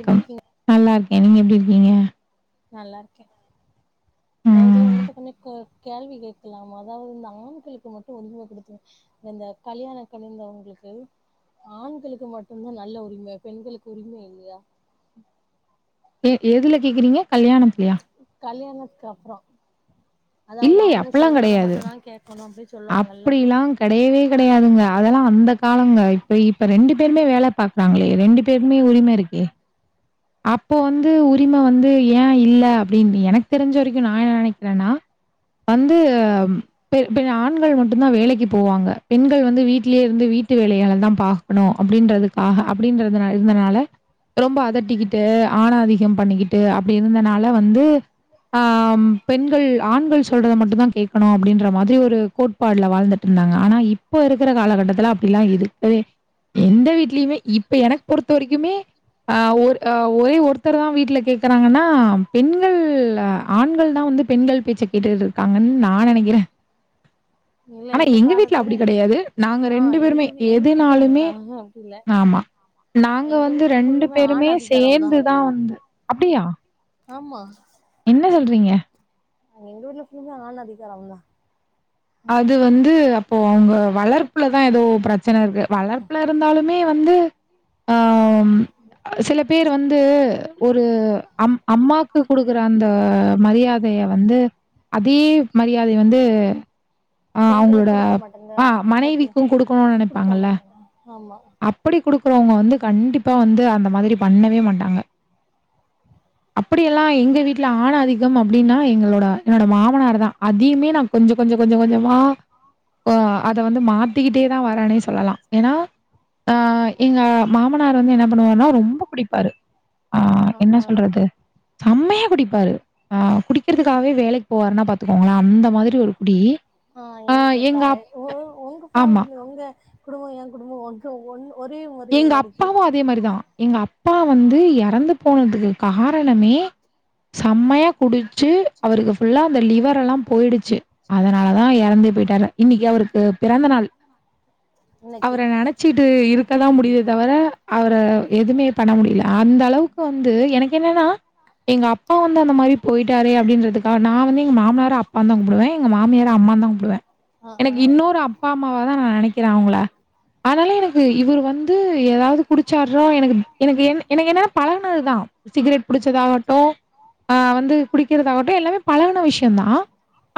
எப்டி இருக்கீங் நல்லா இருக்கே நீங்க எப்டி இருக்கீங்க நல்லா இருக்கே அதாவது ம். உங்கள்ட்ட கொஞ்ன க கேள்வி கேக்கலாமா அதாவது இந்த ஆண்களுக்கு மட்டு உரிம கொடுத்திங்க இந்த கல்யாண கலிந்தவங்களுக்கு ஆண்களுக்கு மட்டுந்தா நல்ல உரிம பெண்களுக்கு உரிம இல்லையா ஏ எதுல கேக்குறீங்க கல்யாணத்லையா கல்யாணத்க்கு அப்புறோ அதாவது அவுங்க சொல்றத மட்டுந்தா கேக்கணு அப்டி சொல்லுவாங்கல்ல அப்டிலாங் கெடையவே கெடையாதுங்க அதெல்லா அந்த காலங்க இப்ப இப்ப ரெண்டு பேருமே வேல பாக்குறாங்களே ரெண்டுப் பேருமே உரிம இருக்கே அப்ப வந்து உரிம வந்து ஏ இல்ல அப்டின்னி எனக்கு தெரிஞ்ச வரைக்கு நா என்ன நெனைக்கிறேன்னா வந்து இப்ப பெ ஆண்கள் மட்டுந்தா வேலைக்கி போவாங்க பெண்கள் வந்து வீட்லேயே இருந்து வீட்டு வேலைகளதா பா க்கனு அப்டின்றதுக்காக அப்டின்றது நா இருந்தனால ரொம்ப அது ட்டு ஆண் ஆதிக்க பண்ணிக்கிட்டு அப்டி இருந்தனால வந்து அ பெண்கள் ஆண்கள் சொல்றத மட்டுந்தா கேக்கணு அப்டின்ற மாதிரி ஒரு கோட் பாட்ல வாழ்ந்துட்ருந்தாங்க ஆனா இப்ப இருக்கிற காலகட்டத்துல அப்டில்லா இருக்கவே எந்த வீட்லயுமே இப்ப எனக்கு பொறுத்த வரைக்குமே ஆ ஒரு அ ஒரே ஒருத்தர் தா வீட்ல கேக்குறாங்கன்னா பெண்கள் ஆண்கள் தா வந்து பெண்கள் பேச்ச கேட்டுட்டு இருக்காங்கன் நா நெனைக்கிறே இல்ல ஆனா இந்த எங்க வீட்ல அப்டி காலத்துல கடையாது நாங்க ஆ ரெண்டு எங்க பேருமே வீ எங்க வீட்லயு எதுனாலுமே அப்டித்தா அப்டி இல்ல ஆமா நாங்க எங்க வந்து வீட்ல ரெண்டு ஃபுல்லுமே பேருமே ஆண் அதிகாரம்தா சேர்ந்துதா வந்து அப்டியா ஆமா என்ன சொல்றீங்க எங்க வீட்ல ஃபுல்லா ஆண் அதிக்காரந்தா அது வந்து அ ப்போ அவுங்க வளர்ப்புலதா ஏதோ பிரச்சன இருக்கு வளர்ப்புல இருந்தாலுமே வந்து ஆம் சில பேர் வந்து ஒரு அம் அம்மாக்கு கொடுக்குற அந்த மரியா தைய வந்து அதே மரியாதைய வந்து ஆ பெண்களுக்கு அவங்களோட குடுக்க மாட்டாங்க ஆ கேட்கல மனைவிக்கு கொடுக்கணு குடுக்க நெனைப்பாங்கல்ல மாட்டாங்க ஆமா அப் அப்டி கொடுக்குறவங்க வந்து கண்டிப்பா வந்து அந்த மாதிரி பண்ணவே மாட்டாங்க அப்டியெல்லா எங்க வீட்லா ஆண் ஆதிக்கம் அப்டின்னா எங்களோட என்னோட மாமனார் தா அதையுமே நா கொஞ்சொ கொஞ்சொ கொஞ்சொ கொஞ்சமா ஆ அத வந்து மாத்திக்கிட்டே தான் வரானே சொல்லலாம் ஏன்னா ஆ எங்க மாமனார் வந்து என்ன பண்ணுவாருன்னா ரொம்ப குடிப்பாரு ஆ என்ன சொல்றது செம்மையா குடிப்பாரு ஆ குடிக்கிறதுக்காகவே வேலைக்கு போவாருன்னா பாத்துக்கோங்களேன் அந்த மாதிரி ஒரு குடி ஆ ஒ க எங்க எ அப் உங் உங்க ஆமா. பேமிலி உங்க குடும்பம் என் குடும்பம் ஒன்று ஒண்ணு எங்க அப்பாவும் அதே மாரிதான் எங்க அப்பா வந்து இறந்து போனதுக்கு காரணமே செம்மையா குடிச்சு அவருக்கு ஃபுல்லா அந்த லிவரெல்லாம் போய்டுச்சு அதனால தான் இறந்து போயிட்டாரு இன்னைக்கி அவருக்கு பிறந்த நாள் ஆ அவர நினைச்சிட்டு இருக்கதான் முடியுது தவிர அவர எது எதுவுமே பண்ண முடில அந்தக் அளவுக்கு வந்து எனக்கு என்னன்னா எங்க அப்பா வந்து அந்த மாரி போயிட்டாரே அப்டின்றதுக்காக நான் வந்து எங்க மாமனார அப்பா தான் கும்பிடுவேன் எங்க மாமியார அம்மா தான் குப்பிடுவேன் ஆ ஆ எனக்கு இன்னொரு அப்பா அம் ம்மாவா தான் நான் நினைக்கிறேன் அவங்கள அதனால எனக்கு இவரு வந்து ஏதாவது குடிச்சாறா எனக்கு எனக்கு என் எனக்கு என்னன்ன பழகுனதுதான் சிகரெட் புடிச்சதாகட்டும் அ வந்து குடிக்கிறதாகட்டும் எல்லாமே பழகன விஷயம்தான்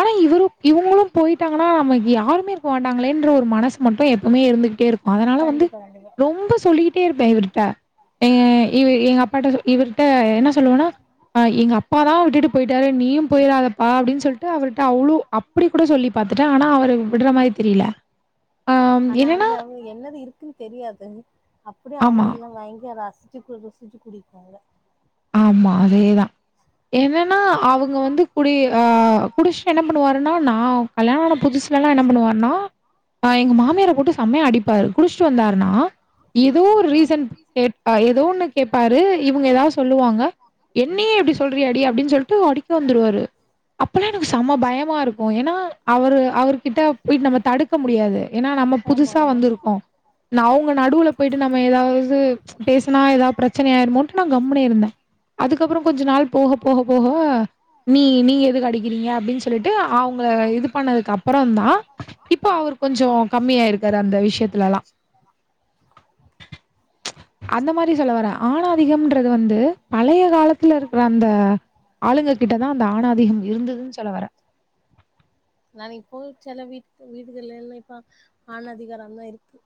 ஆனா இவரு இவங்களும் போயிட்டாங்கன்னா நமக்கு யாருமே இருக்க மாட்டாங்களேன்ற ஒரு மனசு மட்டும் எப்பவுமே இருந்துகிட்டே இருக்கும் அதனால வந்து கண்டிப்பா கண்டிப்பா ரொம்ப சொல்லிட்டே இருப்பேன் இவர்கிட்ட எ இ எங்க அப்பாட்ட இவர்ட்ட என்ன சொல்லுவனா ஆ எங்க அப்பாதான் விட்டுட்டு போயிட்டாரு நீயும் போயிராதப்பா அப்டின்னு சொல்லிட்டு அவர்கிட்ட அவ்ளோ அப் அப்டி கூட சொல்லி பார்த்துட்டேன் ஆனா அவர் விடுற மாரி தெரில ஆனா அதுலா அவங்க என்னது இருக்குன்னு தெரியாது அப்டியே அவங்க ஆமா, எல்லாம் பயங்கர ராசி சிக்குள்ள ரசிச்சு குடிக்காத ஆமா அதேதான் என்னன்னா அவங்க வந்து குடி அ குடிச்சி என்ன பண்ணுவாருன்னா நா கல்யாணம் ஆன புதுசுலால்லாம் என்ன பண்ணுவாருனா ஆ எங்க மாமியார போட்டு செம்மையா அடிப்பாரு குடிச்சுட்டு வந்தாருனா ஏதோ ஆ ஒரு ஆ ரீசன் கேட்ப ஏதோன்னு கேப்பாரு இவங்க ஏதாவுது சொல்லுவாங்க என்னயே எப்டி சொல்றியா அடி அப்டின்னு சொல்லிட்டு அடிக்க வந்துடுவாரு அப்பல்லாம் எனக்கு செம பயமா இருக்கும் ஏன்னா அவரு அவர்கிட்ட போய் நம்ம தடுக்க முடியாது ஏன்னா நம்ம ஆமா புதுசா ஆமா வந்திருக்கோம் நா அவுங்க நடுவுல போயிட்டு நம்ம ஏதாவது பேசனா ஏதாவது பிரச்சனை ஆயிருமோன்ட்டு நான் கம்னு இருந்தே அதுக்கப்றோ கொஞ்ச நாள் போக போக போக நீ நீங்க எதுக்கு அடிக்கிறீங்க அப்டின்னு சொல்லிட்டு அவங்கள இது பண்ணதுக்கு அப்பறம் தான் இப்போ அவர் கொஞ்சோ கம்மியாயிருக்காரு அந்த விஷயத்துலல்லாம் அந்த மாரி சொல்ல வரேன் ஆண் அதிகம்ன்னு அது வந்து பழைய காலத்துல இருக்கிற அந்த ஆளுங்க கிட்டதான் அந்த ஆணாதிகம் இருந்ததுன்னு சொல்ல வரேன் நான் இப்போ சில வீட்டு வீடுகள் எல்லாம் இப்ப ஆண் அதிகாரம் தான் இருக்கு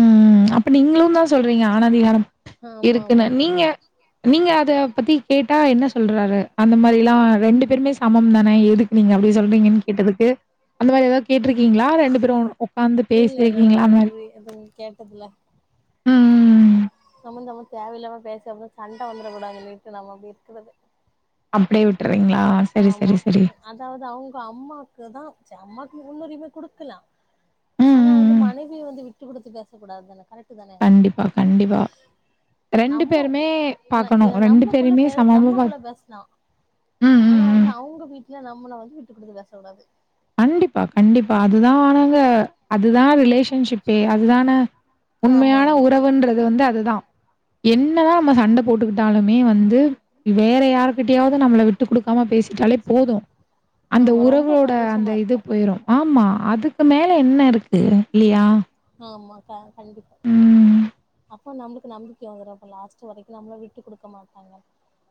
ம் அப்ப நீங்களும் தான் சொல்றீங்க ஆணதிகாரம் ஆமா ஆமா இருக்குன்னு நீங்க நீங்க அதா பத்தி கேட்டா என்ன சொல்றாரு அந்த மாரில்லாம் ரெண்டு பேருமே சமம் தானே எதுக் நீங்க அப்டி சொல்றீங்கன் கேட்டதுக்கு அந்த மாரி ஏதாது கேட்டிருக்கீங்களா ரெண்டு பேரும் உ உக்காந்து இல்ல இல்ல நா பேசிருக்கீங்ளா அத அந்த மாரி எதுவு கேட்டதுல ம் ம் ம் சமந்தமு தேவயில்லாம [unintelligible] சண்ட வந்துர கூடாதுன்ட்டு நம்ம அப்டி இருக்குறது அப்டியே விட்டுறிங்ளா செரி செரி செரி அதாவ்து அவுங்க அம்மாக்கு தா ச அம்மாக்கு முன்னுரிமை குடுக்கலா ம், ஆனா ம், வந்து ம். மனைவிய வந்து விட்டு குடுத்து பேச கூடாது தானே கரெட் கண்டிப்பா கண்டிப்பா ரெண்டு நம்ம பேருமே ந பாக்கணு எ ரெண்டு நம்மக்குள்ள பேருமே பே சமமா நம்மக்குள்ள பாத் பேசலா ம், ஆனா ம், ம். வந்து அவுங்க வீட்ல நம்மள வந்து விட்டு குடுத்து பேச கூடாது கண்டிப்பா கண்டிப்பா அதுதா [unintelligible] அதுதா ரிலேஷன்ஷிப்பே அதுதான ஆமா உண்மையான ஆமா உறவுன்றது வந்து அதுதா என்னதா நம்ம சண்ட போட்டுக்குட்டாலுமே வந்து வேற யாருகிட்டயாது நம்மள விட்டு குடுக்காம பேசிட்டாலே போது அந்த ஆமா ரொம்ப உறவுக இந்த அந்த சந்தோஷமா இது இருக்கு போயிரு ஆம்மா அதுக்கு மேல என்னருக்கு இல்லியா ஆமா கா கண்டிப்பா அப்போ நம்ளுக்கு நம்பிக்க வந்துரு இப்ப லாஸ்ட் வரைக்கு நம்மள விட்டு குடுக்க மாட்டாங்க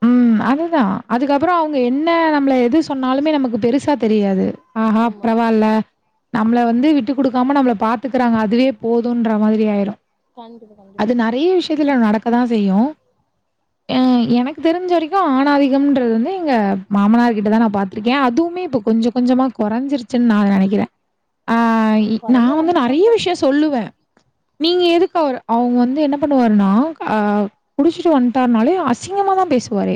ம் அதுதா அதுக்கப்பறொ அவுங்க என்ன நம்மள எது சொன்னாலுமே நமக்கு பெரு சா தெரியாது ஆஹா ஆமா பரவால்ல நம்மள வந்து விட்டு குடுக்காம நம்மள பாத்துக்குறாங்க அதுவே போதுன்ற மாதிரி ஆயிரு கண்டிப்பா அது கண்டிப்பா நெறைய விஷ்யத்துல நடக் கதா செய்யு எனக்கு தெருஞ்ச வரைக்கு ஆணாதிகம்ன்றது வந்து எங்க மாமனார் கிட்ட தா நா பாத்துருக்கே அதுவுமே இப்ப கொஞ்சொ கொஞ்சமா கொறஞ்சிருச் சுன் நா நெனக்கிறே ஆ ம் நா கொறஞ்சா வந்து ரொம்ப நெறைய சந்தோஷோ விஷ்யொ சொல்லுவே நீங்க எதுக்கு அவர் அவுங்க வந்து என்ன பண்ணுவாருன்னா குடிச்சுட்டு வந் ட்டார்னாலே அசிங்கமா தா பேசுவாரே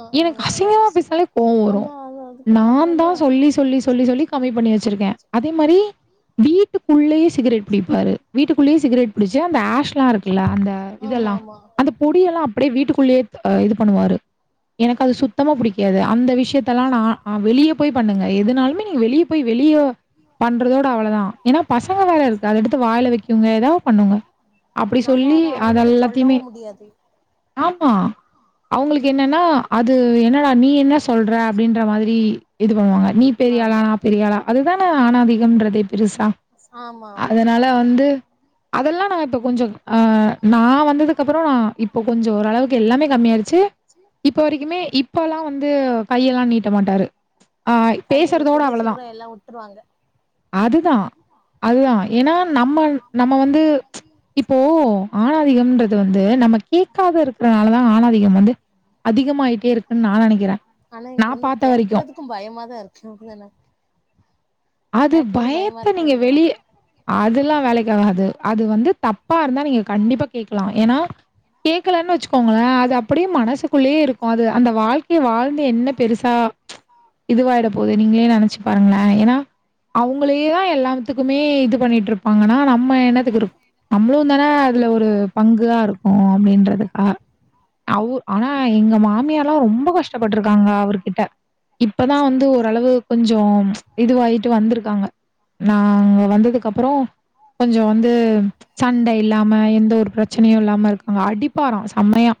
ஆ ஆ எனக்கு அசிங்கமா பேசுனாலே கோவ் வரு ஆனா அது அதுக்கு நா அது தா வந்து சொல்லி சொல்லி சொல்லி சொல்லி கம்மி பண்ணி வச்சுருக்கே அதே மாரி வீட்டு குள்ளயே சிகரெட் புடிப்பாரு வீட்டுக்குள்ளயே சிகரெட் புடிச்சு அந்த ஆஷ்லா இருக்குல்ல அந்த ஆமா இதெல்லா ஆமா அந்த பொடி யெல்லா அப்டே வீட்டு குள்ளயே அ இது பண்ணுவாரு எனக்கு அது சுத் தமா புடிக்காது அந்த விஷ்யத்த லா நா வெளியெ போய் பண்ணுங்க எதுனாலுமே நீங்க வெளியெ போய் வெளிய பண்றதோட அவ்ளதா ஏன்னா பசங்க வேற இருக்கு அத எடுத்து வாய்ல வெக்குங்க ஏதாது பண்ணுங்க அப்டி நம்ம சொல்லி வேற அவங்கள்ட்ட அத போய் எல்லாத்யுமே சொல்லவு முடியாது ஆம்மா அவுங்களுக்கு என்னன்னா அது என்னடா நீ என்ன சொல்ற அப்டின்ற மாதிரி இது பண்ணுவாங்க நீ பெரியாளா ஆமா நா பெரியாளா அதுதான ஆணாதிகம்றதே பெருசா ஆமா ஆமா அதுனால த வந்து அதெல்லா நா இப்ப கொஞ்சொ ஆ நா வந்ததுக்கு அப்பறொ நா இப்ப கொஞ்சொ ஓரளவுக்கு எல்லாமே கம்மியாடுச்சு [unintelligible] இப்போ வரைக்குமே இப்பல்லா வந்து கை எல்லா நீட்ட மாட்டாரு அ ம் கண்டிப்பா பேசுறதோட கூடிய சீக்கரொ எல்லா வுட்ருவாங்க அதுதா அதுதா ஏன்னா நம்ம நம்ம வந்து இப்போ ஆணாதிகம்றது வந்து நம்ம கேக்காதுருக்றனால தா ஆணாதிகம் வந்து அதிக மாயிட்டே இருக்குன்னு நா நெனகிறே நா பாத்த வரிக்கு கும் பயமா தா இருக்கும் தான அது பயமா பயத்த இருக்கா நீங்க இல்லையா வெளிய அதுல்லா வேலைக்கு ஆகாது அது வந்து தப்பா இருந்தா நீங்க கண்டிப்பா கேக்கலா ஏனா கேக்கலன்னு வச்சுகோங்களே அது அப்டியே மனசுகுள்ளயே இருக்கு அது அந்த வாழ்க்கை வாழ் வந்து என்ன பெருசா இதுவாயிட போகுது நீங்களே நெனச்சு பாருங்களே ஏனா அவுங்களே தா எல்லாத்துக்குமே இது பண்ணிட்ருப்பாங்கன்னா நம் நம்ம என்னத்துக்கு இருக் நம்ளுந்தான அதுல ஒரு பங்கா இருக்கோ அப்படின்றதுக்கா அவு ஆனா எங்க மாமியார்லா ரொம்ப கஷ்டபட்ருக்காங்க அவரு கிட்ட இப்பதா வந்து ஓரளவு கொஞ்சோ இதுவாயி ந்துருக்காங்க நா இங்க வந்ததுக்கு அப்புறோ கொஞ்சோ வந்து சண்டை இல்லாம எந்த ஒரு பிரச்சனையு இல்லாம இருக்காங்க அடி ப்பாறா செம்மையா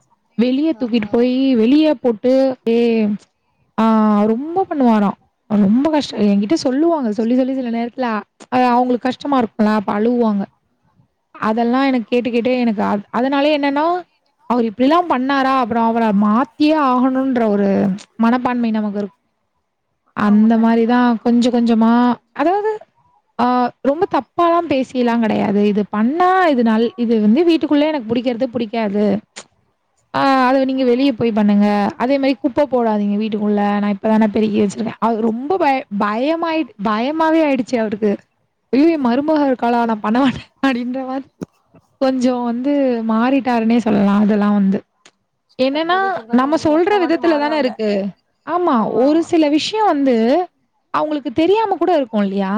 வெளிய ஆ தூக்கிட்டு ஆ போயி யி வெளிய போட்டு அப்டியே ஆ ரொம்ப பண்ணுவாரா ரொம்ப கஷ்டோ என்கிட்ட சொ சொல்லுவாங்க சொல்லி சொல்லி செல நேரத்துல அது அவங்களுக் கஷ்டமா இருக்குல்ல அப்ப அழுவாங்க அதெல்லா எனக் கேட்டுக்கேட்டே எனக்கு அ அதனாலே என்னென்னா அவர் இப்டில்லா பண்ணாரா அப்புறோ அவர மாத்தியே ஆகணுன்ற ஒரு மனப்பான்மை நமக்கு இருக் ஆமா அந்த கண்டிப்பா மாரிதா கொஞ்ச கொஞ்சமா அதாவ்து ஆ ரொம்ப தப்பாலா பேசில்லா கெடையாது இது பண்ணா இது நல் இது வந்து வீட் டுக்குள்ள எனக்கு பிடிக்கிறது பிடிக்காது ஆ அது நீங்க வெளியே போயி பண்ணுங்க அதே மாதி குப்ப போடாதீங்க வீட்டுக்குள்ள நா இப்ப தான பெருக்கி வச்சுருக்கே அது ரொம்ப பயோ பயமாயிட் பயமாவே ஆயிடுச்சு அவருக்கு ஐய்யய்யோ எ மருமக இரு காளா நா பண்ண மாட்டே அப்படின்ற மாதி கொஞ்சோ வந்து மாறிட்டாருன்னே சொல்லலா அதெல்லா வந்து க என்னன்னா கூடிய சீக்கிரோ நம்ம சொல்ற மொத்தமாட்டு விதத்துல தான மாறுவாங்க இருக்கு ஆமா ஒரு சில விஷ் யோ வந்து அவங்ளுக்கு தெரியாம கூட இருக்கு இல்லையா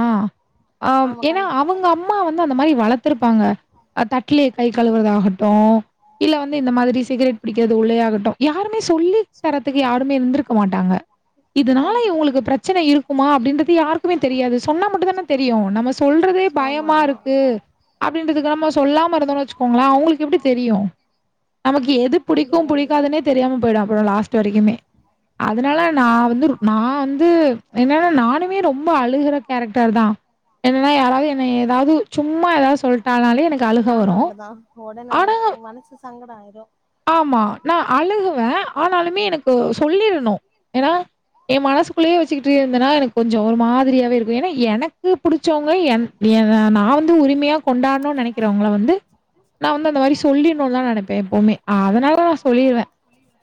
ஆம் ஆமா ஏனா கண்டிப்பா அவுங்க அம்மா வந்து அந்த மாரி வளத்துருப்பாங்க அ தட்லே கை கழுவுறதாகட்டு இல்ல வந்து இந்த மாதிரி சிகரெட் பிடிக்கிறது உள்ளேயே ஆகட்டு யாருமே சொல்லி தரத்துக்கு யாருமே இருந்திருக்க மாட்டாங்க இதனால கண்டிப்பா இவங்ளுக்கு பிரச்சன இருக்குமா அப்டின்றது யாருக்குமே தெரியாது சொன்னா மட்டு தான தெரியு நம்ம சொல்றதே ஆமா பயமா ஆமா இருக்கு அப்டின்றதுக்கு நம்ம சொல்லாம இருந்தோன் வச்சுக்கோங்களே அவங்ளுக்கு எப்டி தெரியு நமக்கு எது புடிக்கு கண்டிப்பா கண்டிப்பா புடிக்காதுன்னே தெரியாம போயிடு அப்புறோ லாஸ்ட் வரைக்குமே அதனால நா வந்து நா வந்து என்னன்னா நானுமே ரொம்ப அழுகுற கேரக்டர் தா என்னன்னா யாராவது என்ன ஏதாது சும்மா ஏதாது சொல்ட்டனாலே எனக் நானு அப்டிதா ஒடனே மனசு சங்கடோ ஆயிரு ஆமா நா அழுகுவே ஆனாலுமே எனக்கு சொல்லிரணு ஏனா எ மனசுக்குள்ளயே வச்சுக்கிட்டு இருந்தேனா எனக்கு கொஞ்சோ ஒரு மாதிரியாவே இருக்கு ஏனா எனக்கு புடிச்சவங்க என் என்ன நா வந்து உரிமையா கொண்டாடுணுன்னு நெனைக்கிறவங்கள வந்து நா வந்து அந்த மாரி சொல்லிருணுன்லா நெனைப்பே எப்பவுமே அதனால நா சொல்லிருவே சொல்லிருவே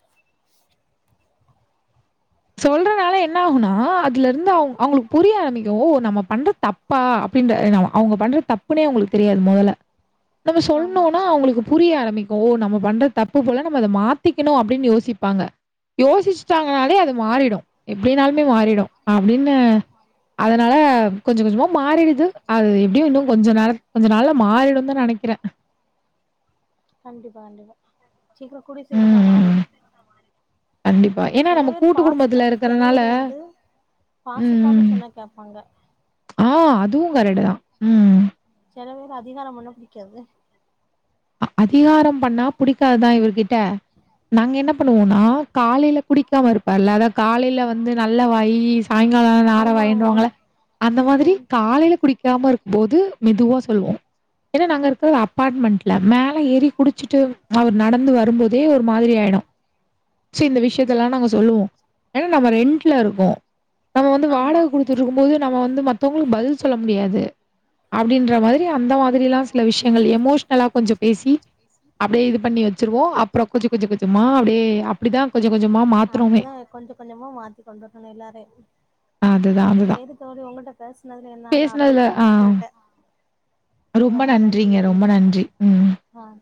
சொல்றதுனால என்ன ஆகனோ அதுல இருந்து அவு அவுங்ளுக்கு புரிய ஆரம்பிக்கு ஓ நம்ம பண்ற தப் பா அப்படின்ற எனவா அவுங்க பண்ற தப்புனே அவங்ளுக்கு தெரியாது மொதல்ல நம்ம ஆமா சொல்னுனா அவங்ளுக்கு புரிய ஆரம்பிக் ஓ நம்ம பண்ற தப்பு போல நம்ம அதை மாத்திக்கணும் அப்டின்னு யோசிப்பாங்க யோசிச்சிட்டாங்கனாலே அது மாறிடும் எப்டினாலுமே மாறிடும் அப்டின்னு அதனால கொஞ்சம் கொஞ்சமா மாறிடுது அது எப்டி யும் இன்னும் கொஞ்ச நேரம் கொஞ்ச நாள்ல மாறிடும் தான் நினைக்கிறேன் கண்டிப்பா கண்டிப்பா சீக்கிரம் குடி சீக்கிரத்துல மாறிடு கண்டிப் ஏன்னா நம்ம பேர் கூட்டு குடும்பத்துல பாசத்த சில இருக்கறனால பேர் வந்து பாசத்தால உம் சொன்னா கேப்பாங்க ஆஹ் அதுவும் கரட்டு தான் உம் சில பேர் அதிகாரம் பண்னா பிடிக்காது அதிகாரம் பண்ணா புடிக்காத இவர் கிட்ட நாங்க என்ன பண்ணுவோம்னா காலையில குடிக்காம இருப்பார்ல அதாவ காலையில வந்து நல்ல வாயி சாயங்காலம் நார ஆமா ஆமா வாயினுவாங்கள அந்த மாதிரி காலையில குடிக்காம இருக் போது மெதுவா சொல்லுவோம் ஏன்னா நாங்க இருக்கிற அபார்ட்மெண்டுல மேல எரி குடிச்சுட்டு அவர் நடந்து வரும்போதே ஒரு மாதிரி ஆயிடும் சி இந்த விஷயத்த எல்லாம் நாங்க சொல்லுவோம் ஏன்னா நம்ம ரெண்டுல இருக்கோம் நம்ம வந்து ஆமா வாடகை குடுத்து திருக்கும் போது நம்ம வந்து மற்றவங்களுக்கு பதில் சொல்ல முடியாது அப்டின்ற மாதிரி அந்த மாதிரிலாம் சில விஷயங்கள் எமோஷனலா கொஞ்சம் பேசி அப்டியே இது பண்ணி வச்சிருவோம் அப்புறம் கொஞ்சி கொஞ்சி கொஞ்சமா அப்டியே அப்டிதான் கொஞ்சம் கொஞ்சமாக மாத்துனோமே கொஞ்சம் கொஞ்சமா மாத்தி கொண்டரணும் எல்லாரே அதுதான் அதுதான். செரி தோழி உங்ககிட்ட பேசுனதுல நா நறைய பேசினதுல ஆ விஷயம் கத்துக்கிட்டேன் ரொம்ப நன்றிங்க ரொம்ப நன்றி ஹம் ஆஹ